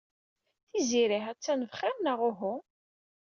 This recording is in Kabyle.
Tiziri ha-tt-an bxir neɣ uhu?